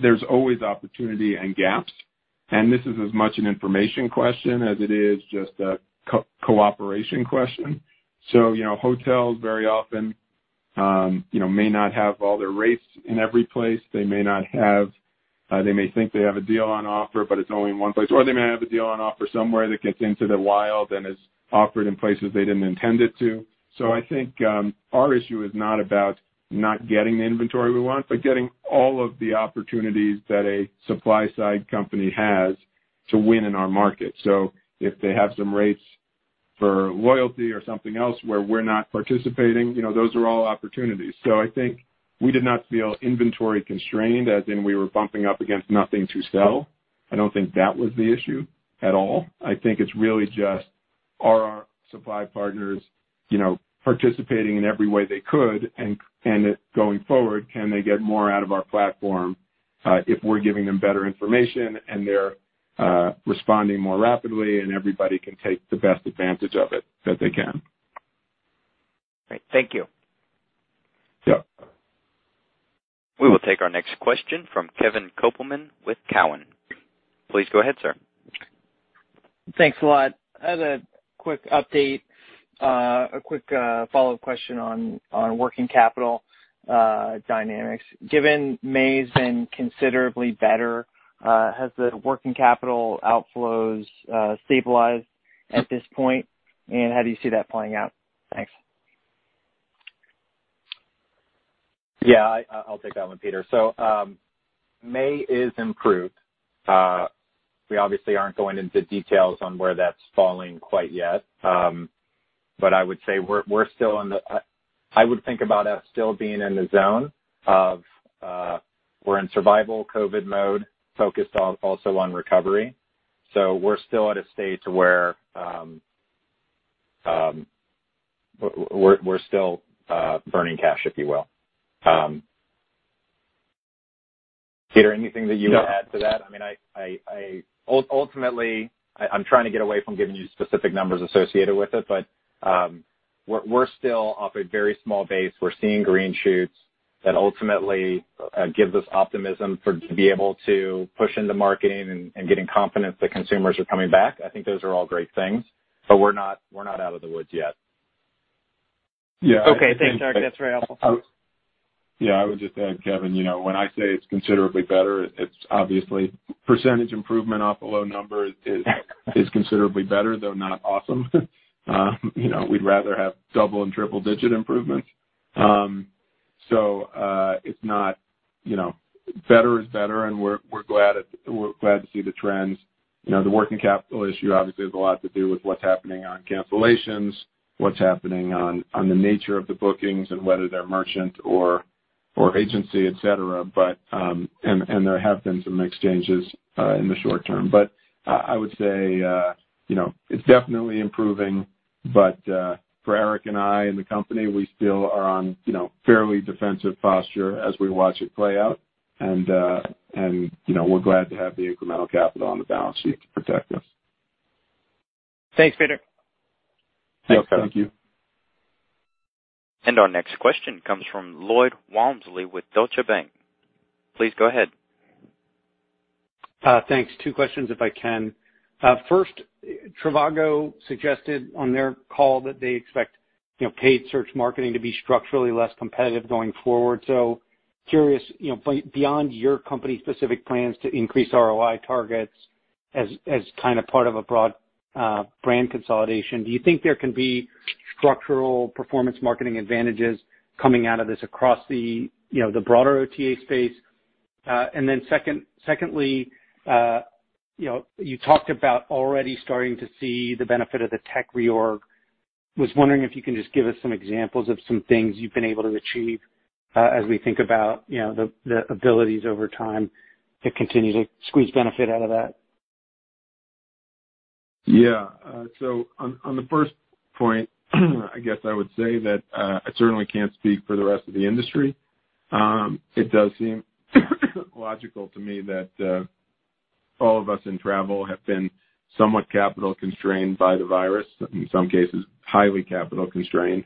there's always opportunity and gaps, and this is as much an information question as it is just a cooperation question. Hotels very often may not have all their rates in every place. They may think they have a deal on offer, but it's only in one place. They may have a deal on offer somewhere that gets into the wild and is offered in places they didn't intend it to. I think our issue is not about not getting the inventory we want, but getting all of the opportunities that a supply side company has to win in our market. If they have some rates for loyalty or something else where we're not participating, those are all opportunities. I think we did not feel inventory constrained, as in we were bumping up against nothing to sell. I don't think that was the issue at all. I think it's really just. Are our supply partners participating in every way they could? Going forward, can they get more out of our platform if we're giving them better information and they're responding more rapidly, and everybody can take the best advantage of it that they can? Great. Thank you. Yeah. We will take our next question from Kevin Kopelman with Cowen. Please go ahead, sir. Thanks a lot. As a quick update, a quick follow-up question on working capital dynamics. Given May's been considerably better, has the working capital outflows stabilized at this point, and how do you see that playing out? Thanks. Yeah, I'll take that one, Peter. May is improved. We obviously aren't going into details on where that's falling quite yet. I would say, I would think about us still being in the zone of we're in survival COVID mode, focused also on recovery. We're still at a state where we're still burning cash, if you will. Peter, anything that you would add to that? Ultimately, I'm trying to get away from giving you specific numbers associated with it, but we're still off a very small base. We're seeing green shoots that ultimately give us optimism to be able to push into marketing and getting confidence that consumers are coming back. I think those are all great things, but we're not out of the woods yet. Okay. Thanks, Eric. That's very helpful. Yeah, I would just add, Kevin, when I say it's considerably better, it's obviously % improvement off a low number is considerably better, though not awesome. We'd rather have double- and triple-digit improvements. Better is better. We're glad to see the trends. The working capital issue obviously has a lot to do with what's happening on cancellations, what's happening on the nature of the bookings and whether they're merchant or agency, et cetera, and there have been some mix changes in the short term. I would say it's definitely improving, but for Eric and I and the company, we still are on fairly defensive posture as we watch it play out. We're glad to have the incremental capital on the balance sheet to protect us. Thanks, Peter. Thank you. Our next question comes from Lloyd Walmsley with Deutsche Bank. Please go ahead. Thanks. Two questions if I can. First, trivago suggested on their call that they expect paid search marketing to be structurally less competitive going forward. Curious, beyond your company's specific plans to increase ROI targets as kind of part of a broad brand consolidation, do you think there can be structural performance marketing advantages coming out of this across the broader OTA space? Secondly, you talked about already starting to see the benefit of the tech reorg. I was wondering if you can just give us some examples of some things you've been able to achieve as we think about the abilities over time to continue to squeeze benefit out of that. Yeah. On the first point, I guess I would say that I certainly can't speak for the rest of the industry. It does seem logical to me that all of us in travel have been somewhat capital constrained by the virus, in some cases, highly capital constrained.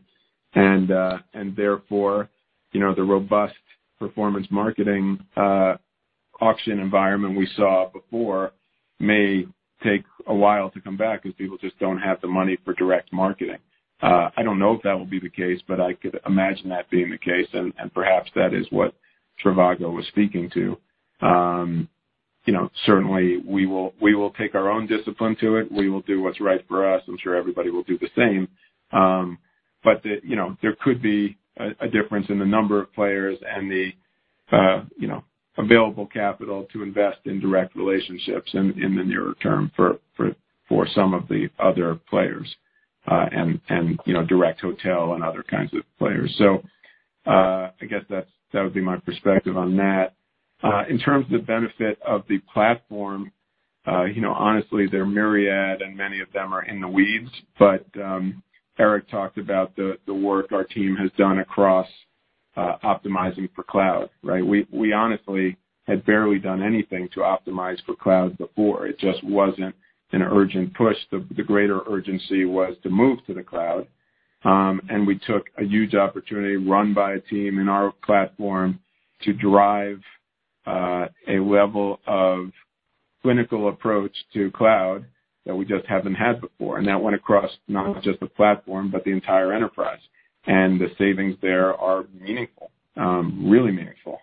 Therefore, the robust performance marketing auction environment we saw before may take a while to come back because people just don't have the money for direct marketing. I don't know if that will be the case, but I could imagine that being the case, and perhaps that is what trivago was speaking to. Certainly we will take our own discipline to it. We will do what's right for us. I'm sure everybody will do the same. There could be a difference in the number of players and the available capital to invest in direct relationships in the nearer term for some of the other players, and direct hotel and other kinds of players. I guess that would be my perspective on that. In terms of the benefit of the platform, honestly, they're myriad and many of them are in the weeds, but Eric talked about the work our team has done across optimizing for cloud, right? We honestly had barely done anything to optimize for cloud before. It just wasn't an urgent push. The greater urgency was to move to the cloud. We took a huge opportunity run by a team in our platform to drive a level of clinical approach to cloud that we just haven't had before. That went across not just the platform, but the entire enterprise, and the savings there are meaningful, really meaningful.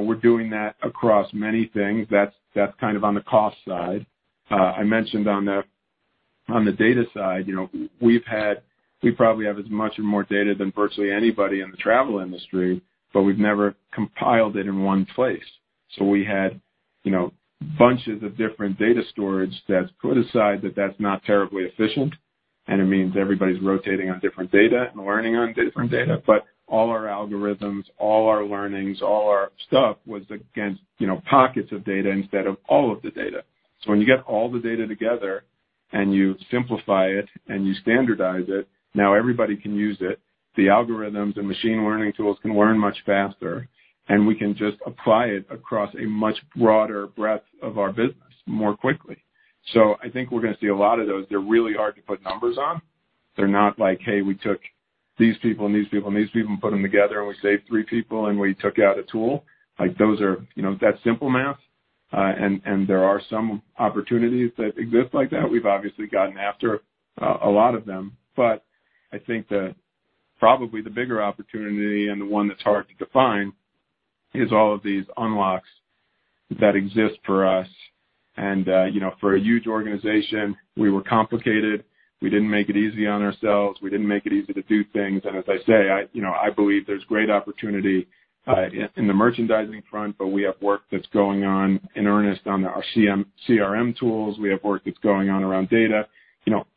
We're doing that across many things. That's kind of on the cost side. I mentioned on the data side, we probably have as much or more data than virtually anybody in the travel industry, but we've never compiled it in one place. We had bunches of different data storage that, put aside, that that's not terribly efficient. It means everybody's rotating on different data and learning on different data. All our algorithms, all our learnings, all our stuff was against pockets of data instead of all of the data. When you get all the data together and you simplify it and you standardize it, now everybody can use it. The algorithms and machine learning tools can learn much faster, and we can just apply it across a much broader breadth of our business more quickly. I think we're going to see a lot of those. They're really hard to put numbers on. They're not like, hey, we took these people and these people and these people and put them together, and we saved three people, and we took out a tool. That simple math. There are some opportunities that exist like that. We've obviously gotten after a lot of them, but I think that probably the bigger opportunity and the one that's hard to define is all of these unlocks that exist for us. For a huge organization, we were complicated. We didn't make it easy on ourselves. We didn't make it easy to do things. As I say, I believe there's great opportunity in the merchandising front, but we have work that's going on in earnest on our CRM tools. We have work that's going on around data.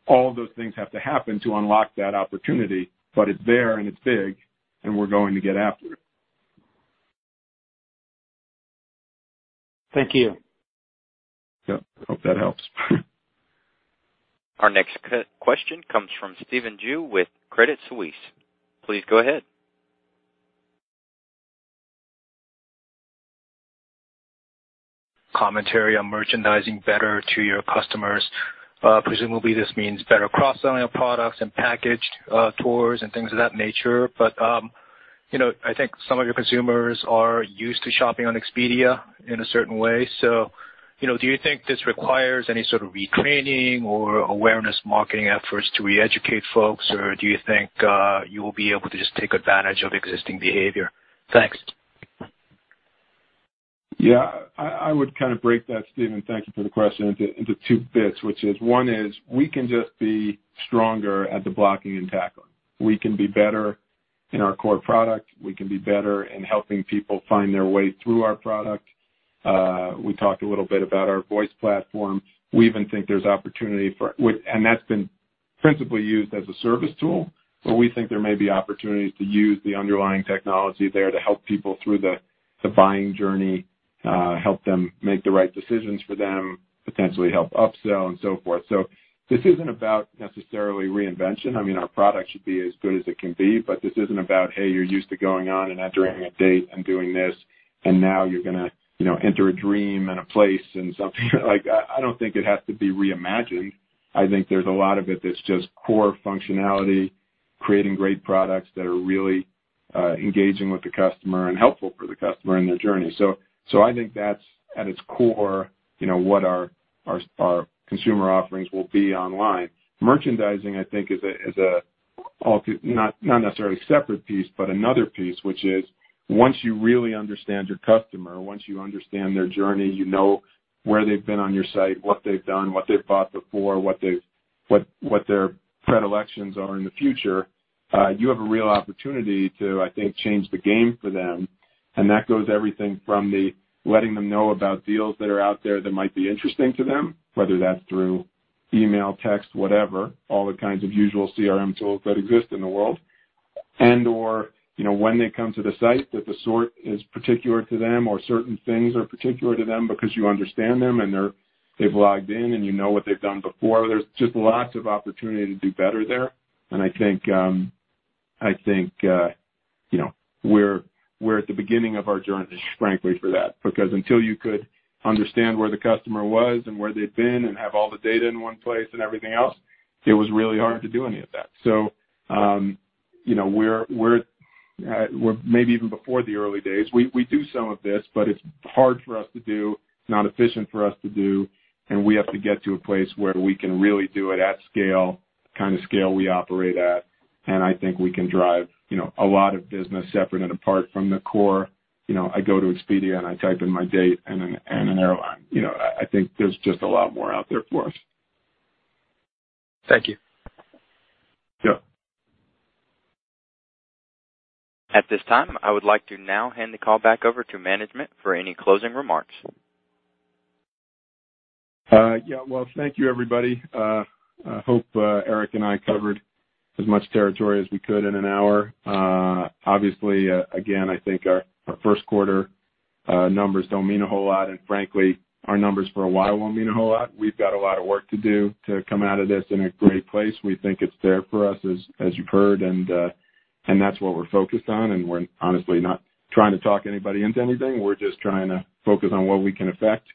All of those things have to happen to unlock that opportunity, but it's there and it's big, and we're going to get after it. Thank you. Yep. Hope that helps. Our next question comes from Stephen Ju with Credit Suisse. Please go ahead. Commentary on merchandising better to your customers. Presumably this means better cross-selling of products and packaged tours and things of that nature. I think some of your consumers are used to shopping on Expedia in a certain way. Do you think this requires any sort of retraining or awareness marketing efforts to re-educate folks, or do you think you will be able to just take advantage of existing behavior? Thanks. I would break that, Stephen, thank you for the question, into two bits, which is one is we can just be stronger at the blocking and tackling. We can be better in our core product. We can be better in helping people find their way through our product. We talked a little bit about our voice platform. That's been principally used as a service tool, but we think there may be opportunities to use the underlying technology there to help people through the buying journey, help them make the right decisions for them, potentially help upsell and so forth. This isn't about necessarily reinvention. I mean, our product should be as good as it can be, this isn't about, hey, you're used to going on and entering a date and doing this, and now you're going to enter a dream and a place and something. I don't think it has to be reimagined. I think there's a lot of it that's just core functionality, creating great products that are really engaging with the customer and helpful for the customer in their journey. I think that's, at its core, what our consumer offerings will be online. Merchandising, I think is, not necessarily a separate piece, but another piece, which is once you really understand your customer, once you understand their journey, you know where they've been on your site, what they've done, what they've bought before, what their predilections are in the future, you have a real opportunity to, I think, change the game for them. That goes everything from the letting them know about deals that are out there that might be interesting to them, whether that's through email, text, whatever, all the kinds of usual CRM tools that exist in the world, and/or when they come to the site, that the sort is particular to them or certain things are particular to them because you understand them and they've logged in and you know what they've done before. There's just lots of opportunity to do better there. I think we're at the beginning of our journey, frankly, for that, because until you could understand where the customer was and where they've been and have all the data in one place and everything else, it was really hard to do any of that. We're maybe even before the early days. We do some of this, but it's hard for us to do, it's not efficient for us to do, and we have to get to a place where we can really do it at scale, the kind of scale we operate at, and I think we can drive a lot of business separate and apart from the core, I go to Expedia and I type in my date and an airline. I think there's just a lot more out there for us. Thank you. Yeah. At this time, I would like to now hand the call back over to management for any closing remarks. Yeah. Well, thank you, everybody. I hope Eric and I covered as much territory as we could in an hour. Obviously, again, I think our first quarter numbers don't mean a whole lot, and frankly, our numbers for a while won't mean a whole lot. We've got a lot of work to do to come out of this in a great place. We think it's there for us, as you've heard. That's what we're focused on. We're honestly not trying to talk anybody into anything. We're just trying to focus on what we can affect.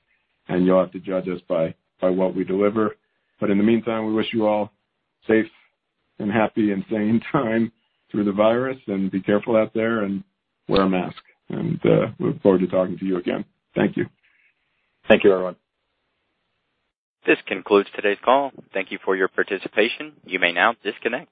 You'll have to judge us by what we deliver. In the meantime, we wish you all safe and happy and sane time through the virus. Be careful out there and wear a mask. Look forward to talking to you again. Thank you. Thank you, everyone. This concludes today's call. Thank you for your participation. You may now disconnect.